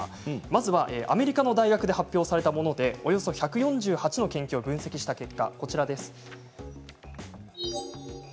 まずはアメリカの大学で発表されたものでおよそ１４８の研究を分析した結果はこちらです。